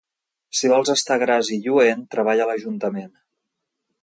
Si vols estar gras i lluent, treballa a l'ajuntament.